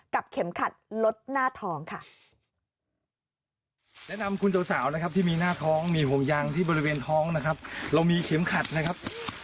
กับเข็มขัดลดหน้าทองค่ะแนะนำคุณเสาวสาวนะครับที่มีหน้าท้องมีห่วงยางที่บริเวณท้องนะครับ